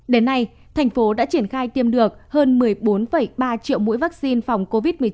đến nay thành phố đã triển khai tiêm được hơn một mươi bốn ba triệu mũi vaccine phòng covid một mươi chín